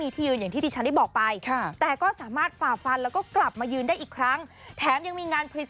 คุณผู้ชมคะสำหรับสาวซอลจียอร์